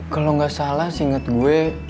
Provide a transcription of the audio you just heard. kalau gak salah sih inget gue